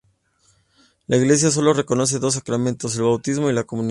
La iglesia sólo reconoce dos sacramentos: el bautismo y la comunión.